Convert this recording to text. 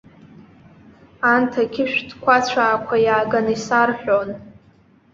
Анҭ ақьышә ҭқәацәаақәа иааганы исарҳәон.